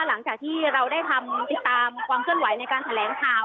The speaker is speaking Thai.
หลังจากที่เราได้ทำติดตามความเคลื่อนไหวในการแถลงข่าว